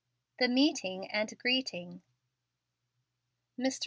THE MEETING AND GREETING. Mr.